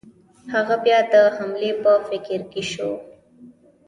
هغه بیا د حملې په فکر کې شو.